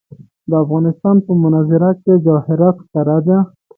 د افغانستان په منظره کې جواهرات ښکاره ده.